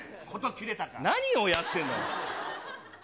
何をやってるの。